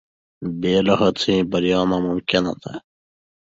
بې له هڅې بریا ناممکنه ده.